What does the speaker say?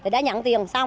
đã nhận tiền